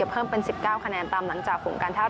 เก็บเพิ่มเป็นสิบเก้าคะแนนตามหลังจากผงการท่า